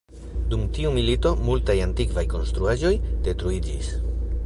Dum tiu milito multaj antikvaj konstruaĵoj detruiĝis.